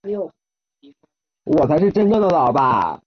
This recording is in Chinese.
长鼻松鼠属等之数种哺乳动物。